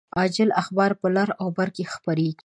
عاجل اخبار په لر او بر کې خپریږي